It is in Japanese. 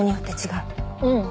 うん。